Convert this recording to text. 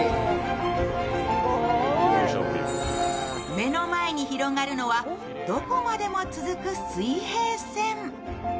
目の前に広がるのはどこまでも続く水平線。